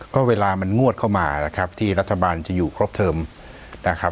ก็เวลามันงวดเข้ามานะครับที่รัฐบาลจะอยู่ครบเทิมนะครับ